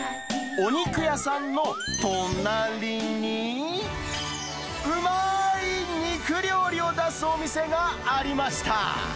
お肉屋さんの隣に、うまーい肉料理を出すお店がありました。